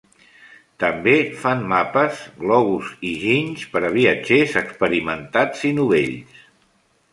També fan mapes, globus i ginys per a viatgers experimentats i novells.